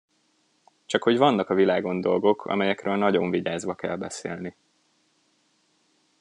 Csakhogy vannak a világon dolgok, amelyekről nagyon vigyázva kell beszélni.